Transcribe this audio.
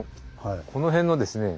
この辺のですね